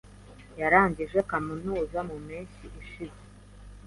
Yarangije kaminuza mu mpeshyi ishize.